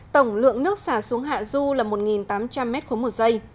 tổng lượng nước xả xuống hạ du là một tám trăm linh m một s